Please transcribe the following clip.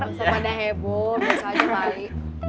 semana heboh bisa aja balik